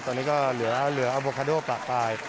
ตอนนี้ก็เหลืออัโวคาโดปากไป